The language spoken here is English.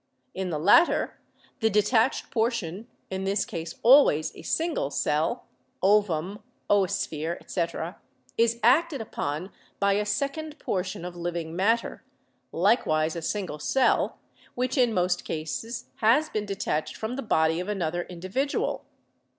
In the latter, the detached portion, in this case always a single cell (ovum, oosphere, etc.), is acted upon by a sec ond portion of living matter, likewise a single cell, which in most cases has been detached from the body of another n8 BIOLOGY individual.